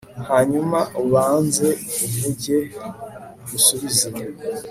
hanyuma ubanze uvuge ngusubize